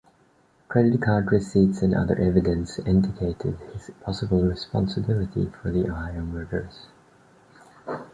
Credit card receipts and other evidence indicated his possible responsibility for the Ohio murders.